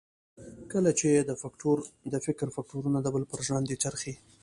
کله چې یې د فکر فکټورنه د بل پر ژرندو څرخي.